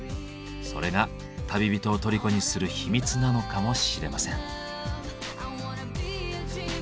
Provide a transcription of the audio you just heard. それが旅人を虜にする秘密なのかもしれません。